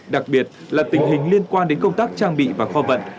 đặc biệt là tình hình liên quan đến công tác trang bị và kho vận